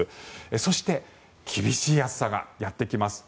そして、厳しい暑さがやってきます。